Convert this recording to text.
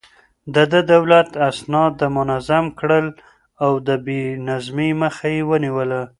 ده د دولت اسناد منظم کړل او د بې نظمۍ مخه يې ونيوله.